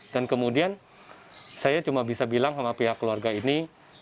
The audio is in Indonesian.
dan kemudian saya cuma bisa bilang sama pihak keluarga ini